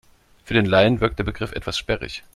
Für den Laien wirkt der Begriff etwas sperrig.